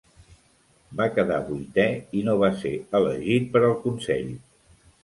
Va quedar vuitè i no va ser elegit per al consell.